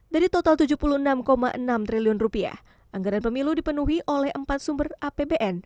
dari total rp tujuh puluh enam enam triliun anggaran pemilu dipenuhi oleh empat sumber apbn